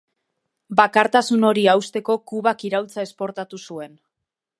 Bakartasun hori hausteko Kubak iraultza esportatu zuen.